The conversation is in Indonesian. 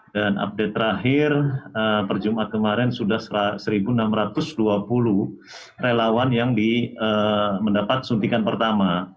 update terakhir per jumat kemarin sudah satu enam ratus dua puluh relawan yang mendapat suntikan pertama